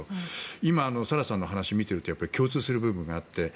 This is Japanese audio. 今、サラさんを見ていると共通している部分があって。